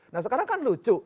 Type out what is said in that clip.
nah sekarang kan lucu